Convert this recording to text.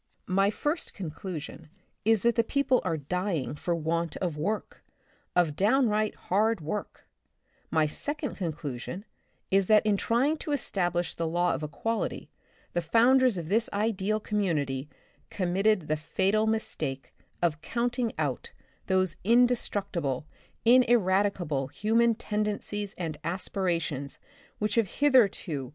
My first conclusion is that the people are dying for want of work ; of downright hard work ; my second conclusion is that in trying to establish the law of equality, the founders of this ideal commu nity committed the fatal mistake of counting out those indestructible, ineradicable human tendencies and aspirations which have hitherto 64 The Republic of the Future.